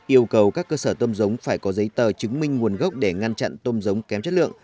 yêu cầu các cơ sở tôm giống phải có giấy tờ chứng minh nguồn gốc để ngăn chặn tôm giống kém chất lượng